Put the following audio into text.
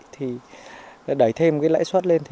thì đẩy thêm cái lãi suất lên